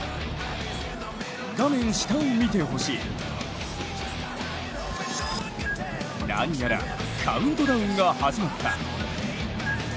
画面下を見てほしい、何やらカウントダウンが始まった。